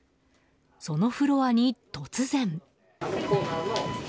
そのフロアに突然。